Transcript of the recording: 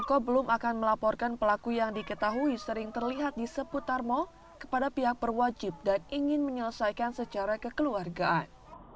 eko belum akan melaporkan pelaku yang diketahui sering terlihat di seputar mal kepada pihak perwajib dan ingin menyelesaikan secara kekeluargaan